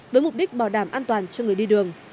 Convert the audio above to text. với mục đích bảo đảm an toàn cho người đi đường